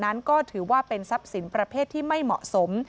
นั้นก็ถือว่าเป็นทรัพย์สินประเภทที่ไม่เหมาะสม